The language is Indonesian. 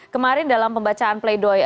kemarin dalam pembacaan play doh